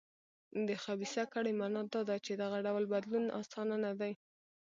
د خبیثه کړۍ معنا دا ده چې دغه ډول بدلون اسانه نه دی.